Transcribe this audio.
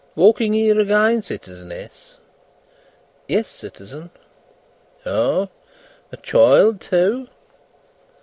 Walking here again, citizeness?" "Yes, citizen." "Ah! A child too!